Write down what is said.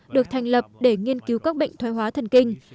được thành lập để nghiên cứu các bệnh thoái hóa thần kinh